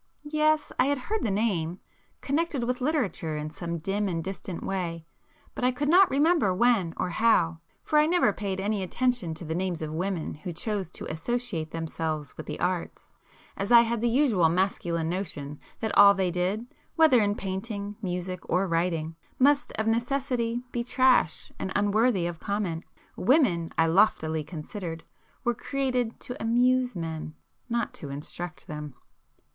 Yes,—I had heard the name,—connected with literature in some dim and distant way, but I could not remember when or how. For I never paid any attention to the names of women who chose to associate themselves with the Arts, as I had the usual masculine notion that all they did, whether in painting, music or writing, must of necessity be trash and unworthy [p 139] of comment. Women, I loftily considered, were created to amuse men,—not to instruct them.